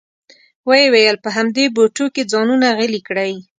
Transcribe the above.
وې ویل په همدې بوټو کې ځانونه غلي کړئ.